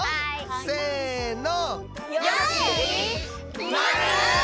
せの。